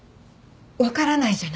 分からないじゃない。